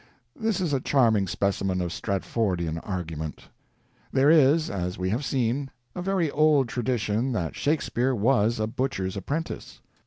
This is a charming specimen of Stratfordian argument. There is, as we have seen, a very old tradition that Shakespeare was a butcher's apprentice.